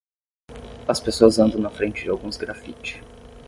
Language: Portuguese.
As pessoas andam na frente de alguns graffiti.